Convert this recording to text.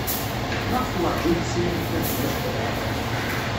Maɣef werjin tessirideḍ iqbac?